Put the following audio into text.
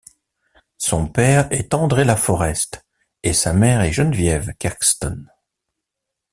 Son père est André LaForest et sa mère est Genevieve Kertson.